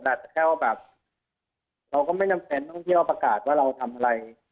อาจจะแค่ว่าแบบเราก็ไม่จำเป็นต้องเที่ยวประกาศว่าเราทำอะไร